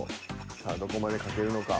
さあどこまで描けるのか。